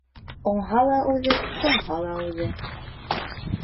Уңһа ла үҙе, туңһа ла үҙе.